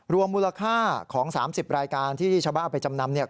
มูลค่าของ๓๐รายการที่ชาวบ้านเอาไปจำนำเนี่ย